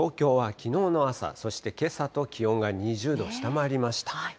東京はきのうの朝、そしてけさと気温が２０度を下回りました。